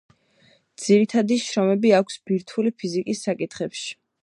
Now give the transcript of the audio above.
ძირითადი შრომები აქვს ბირთვული ფიზიკის საკითხებზე.